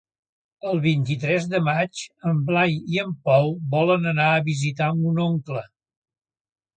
El vint-i-tres de maig en Blai i en Pol volen anar a visitar mon oncle.